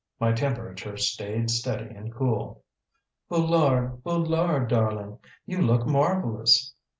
My temperature stayed steady and cool. "Boulard! Boulard, darling! You look marvelous!"